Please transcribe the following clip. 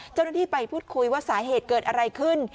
เจ้าหน้าที่ไปพูดคุยว่าสาเหตุเกิดอะไรขึ้น